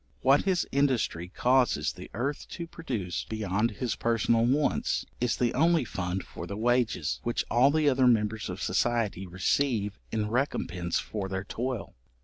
What his industry causes the earth to produce beyond his personal wants, is the only fund for the wages, which all the other members of society receive in recompence for their toil.